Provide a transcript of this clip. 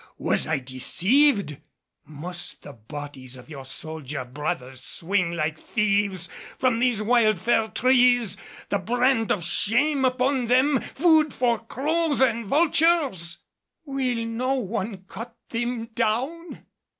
Was I deceived? Must the bodies of your soldier brothers swing like thieves from these wild fir trees, the brand of shame upon them, food for crows and vultures? Will no one cut them down?